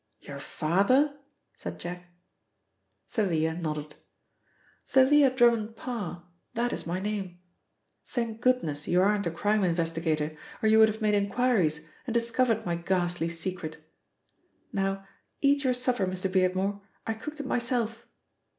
"Your father?" said Jack. Thalia nodded. "Thalia Drummond Parr, that is my name. Thank goodness, you aren't a crime investigator, or you would have made inquiries and discovered my ghastly secret. Now eat your supper, Mr. Beardmore; I cooked it myself."